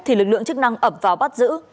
thì lực lượng chức năng ẩm vào bắt giữ